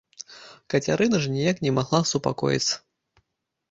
Кацярына ж ніяк не магла супакоіцца.